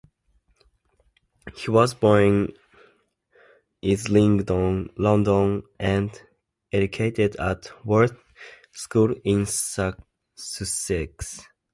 He was born in Islington, London, and educated at Worth School in Sussex.